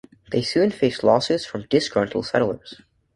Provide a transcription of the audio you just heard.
They soon faced lawsuits from disgruntled settlers.